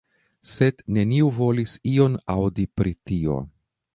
Sed neniu volis ion aŭdi pri tio.